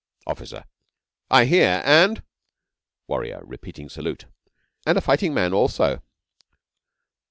OFFICER. I hear. And ...? WARRIOR (repeating salute). And a fighting man also.